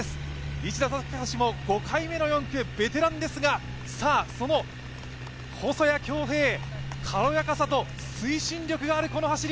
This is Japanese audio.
市田孝も５回目の４区ベテランですがその細谷恭平、軽やかさと推進力がある走り。